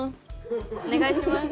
お願いします。